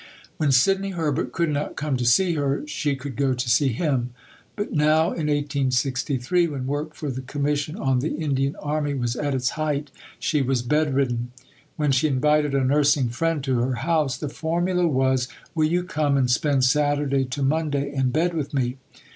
When Sidney Herbert could not come to see her, she could go to see him. But now in 1863, when work for the Commission on the Indian Army was at its height, she was bedridden. When she invited a nursing friend to her house, the formula was "Will you come and spend Saturday to Monday in bed with me?"